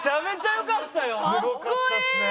すごかったですね。